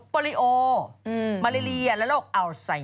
พี่ชอบแซงไหลทางอะเนาะ